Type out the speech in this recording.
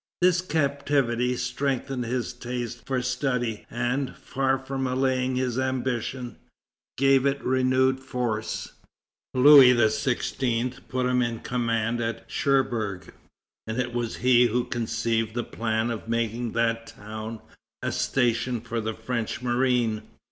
This captivity strengthened his taste for study, and, far from allaying his ambition, gave it renewed force. Louis XVI. put him in command at Cherbourg, and it was he who conceived the plan of making that town a station for the French marine.